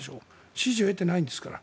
支持を得てないんですから。